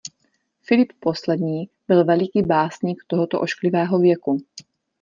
Filip Poslední byl veliký básník tohoto ošklivého věku.